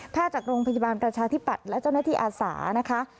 จากโรงพยาบาลประชาธิปัตย์และเจ้าหน้าที่อาสานะคะ